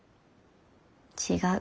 違う。